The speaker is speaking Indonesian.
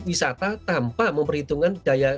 wisata tanpa memperhitungkan daya